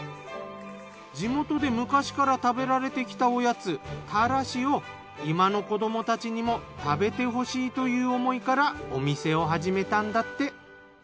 地元で昔から食べられてきたおやつたらしを今の子どもたちにも食べてほしいという思いからお店を始めたんだって。